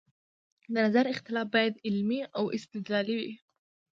د نظر اختلاف باید علمي او استدلالي وي